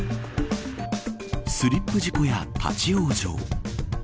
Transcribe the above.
スリップ事故や立ち往生。